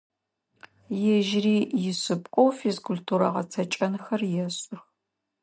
Ежьыри ишъыпкъэу физкультурэ гъэцэкӀэнхэр ешӀых.